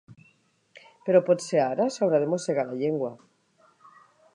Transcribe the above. Però potser ara s'haurà de mossegar la llengua.